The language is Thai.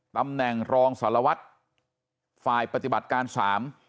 ตำแน่งรองสารวัฒจ์ไฟล์ปฏิบัติการสาม